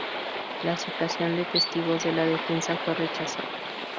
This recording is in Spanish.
La citación de testigos de la defensa fue rechazada.